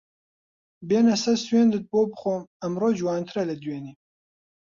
بێنە سەد سوێندت بۆ بخۆم ئەمڕۆ جوانترە لە دوێنێ